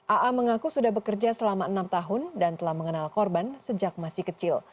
aa mengaku sudah bekerja selama enam tahun dan telah mengenal korban sejak masih kecil